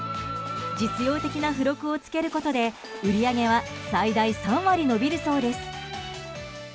実用的な付録をつけることで売り上げは最大３割伸びるそうです。